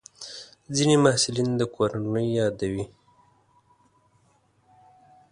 ځینې محصلین د کورنۍ یادوي.